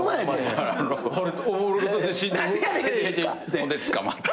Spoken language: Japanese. ほんで捕まって。